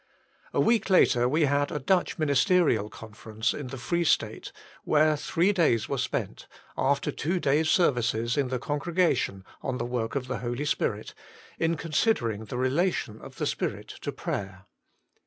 A week later we had a Dutch Ministerial Conference in the Free State, where three days were spent, after two days services in the con gregation on the work of the Holy Spirit, in considering the relation of the Spirit to prayer.